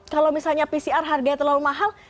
kalau misalnya pcr harganya terlalu mahal